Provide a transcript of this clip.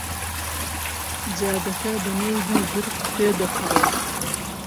جادەکە بەنێو دوو گرد تێ دەپەڕێت.